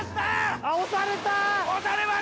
あっ押された！